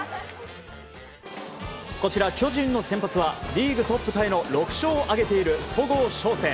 こちら巨人の先発はリーグトップタイの６勝を挙げている戸郷翔征。